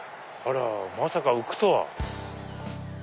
まさか浮くとは。